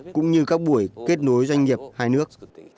cũng như các buổi kết nối doanh nghiệp hai nước